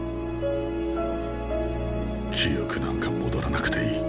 記憶なんか戻らなくていい。